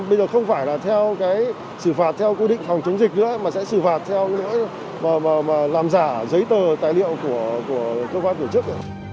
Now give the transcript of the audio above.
bây giờ không phải là xử phạt theo quy định thòng chống dịch nữa mà sẽ xử phạt theo lỗi làm giả giấy tờ tài liệu của cơ quan tổ chức